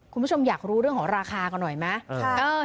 คุณผู้ชมอยากรู้เรื่องของราคากันหน่อยไหม